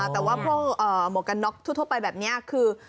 แต่ว่าพวกหมวกกันน็อกทั่วไปแบบนี้คือ